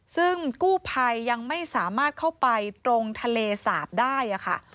ซึ่งกู้ภัยยังไม่สามารถเข้าไปตรงทะเลสาบได้ค่ะ